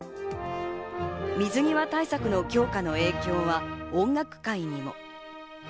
水際対策の強化の影響は音楽界にも。